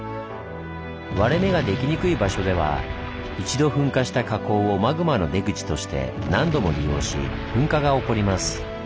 割れ目ができにくい場所では一度噴火した火口をマグマの出口として何度も利用し噴火が起こります。